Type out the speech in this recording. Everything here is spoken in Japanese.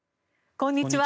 こんにちは。